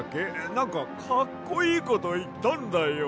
なんかかっこいいこといったんだよ。